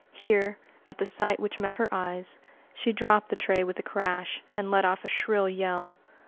Here, at the sight which met her eyes, she dropped the tray with a crash, and let off a shrill yell.